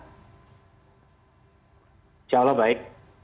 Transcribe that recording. insya allah baik